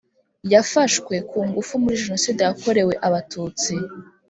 Yafashwe ku ngufu muri Jenoside yakorewe Abatutsi